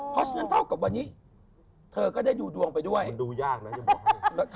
เพราะฉะนั้นเท่ากับวันนี้เธอก็ได้ดูดวงไปด้วยดูยากนะจะบอกให้